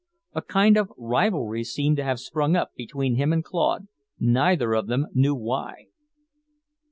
A kind of rivalry seemed to have sprung up between him and Claude, neither of them knew why.